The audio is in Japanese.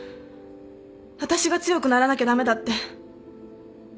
私が強くならなきゃ駄目だって。